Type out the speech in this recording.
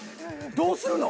どうするの？